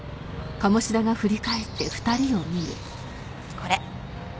これ。